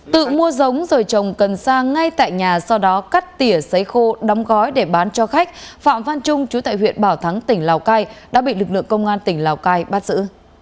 tự mua giống rồi trồng cần xa ngay tại nhà sau đó cắt tỉa xấy khô đóng gói để bán cho khách phạm văn trung chú tại huyện bảo thắng tỉnh lào cai đã bị lực lượng công an tỉnh lào cai bắt giữ